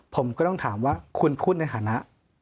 ผมก็ต้องถามว่าคุณพูดในฐานะ